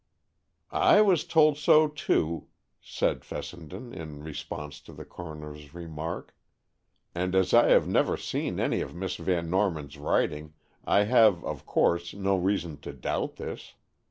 "I was told so, too," said Fessenden, in response to the coroner's remark, "and as I have never seen any of Miss Van Norman's writing, I have, of course, no reason to doubt this.